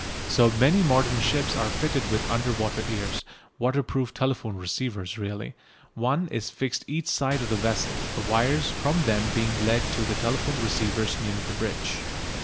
So many modern ships are fitted with under water ears, waterproof telephone receivers, really. One is fixed each side of the vessel, the wires from them being led to telephone receivers near the bridge.